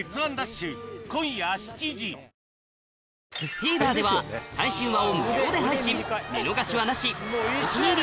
ＴＶｅｒでは最新話を無料で配信見逃しはなし「お気に入り」